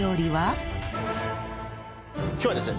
今日はですね